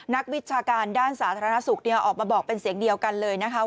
วิชาการด้านสาธารณสุขออกมาบอกเป็นเสียงเดียวกันเลยนะคะ